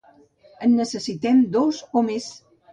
En necessitem dos, o més.